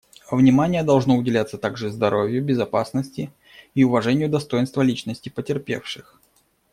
Внимание должно уделяться также здоровью, безопасности и уважению достоинства личности потерпевших.